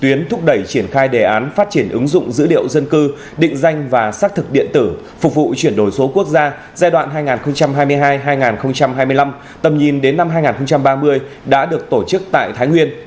tuyến thúc đẩy triển khai đề án phát triển ứng dụng dữ liệu dân cư định danh và xác thực điện tử phục vụ chuyển đổi số quốc gia giai đoạn hai nghìn hai mươi hai hai nghìn hai mươi năm tầm nhìn đến năm hai nghìn ba mươi đã được tổ chức tại thái nguyên